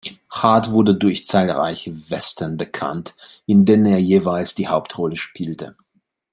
Hart wurde durch zahlreiche Western bekannt, in denen er jeweils die Hauptrolle spielte.